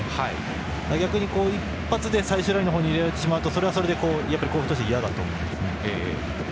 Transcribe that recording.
逆に一発で最終ラインに入れられてしまうとそれはそれで甲府としてはいやだと思うんですよね。